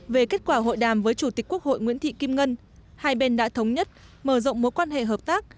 về kết quả hội đàm với chủ tịch quốc hội nguyễn thị kim ngân hai bên đã thống nhất mở rộng mối quan hệ hợp tác